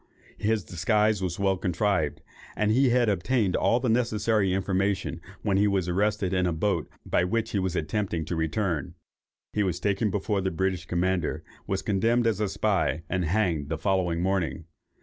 His disguise was well contrived, and he had obtained all necessary information, when he was arrested in the boat by which he was attempting to return. He was taken before the British commander, was condemned as a spy, and hanged the following morning.